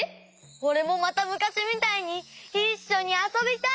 おれもまたむかしみたいにいっしょにあそびたい！